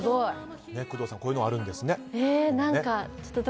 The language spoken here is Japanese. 工藤さん、こういうのがあるんですね。